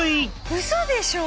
うそでしょ？